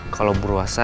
kalau saya di rumah bapak